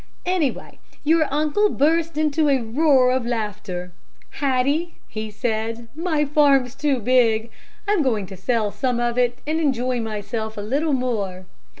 Anyway your uncle burst into a roar of laughter. 'Hattie,' he said, 'my farm's too big. I'm going to sell some of it, and enjoy myself a little more.'